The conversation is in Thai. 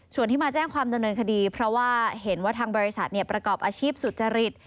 ส่วนที่มาแจ้งความดำเนินคดีเพราะว่าเห็นว่าทางบริษัทประกอบอาชีพสุจริต